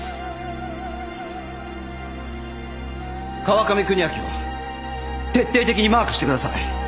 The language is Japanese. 川上邦明を徹底的にマークしてください。